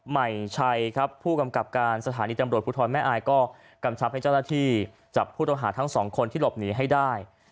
ใหม่ชัยครับผู้กำกับการสถานีตำรวจภูทรแม่อายก็กำชับให้เจ้าหน้าที่จับผู้ต้องหาทั้งสองคนที่หลบหนีให้ได้